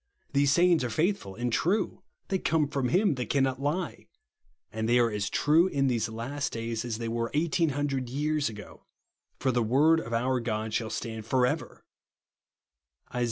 These sayings are faithful and true ; they come from Him that cannot lie ; and they are as true, in these last days, as they were eighteen hundred years ago ; for " the word of our God shall stand for ever," (Isa.